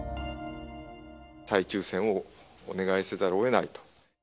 再抽せんをお願いせざるをえないと。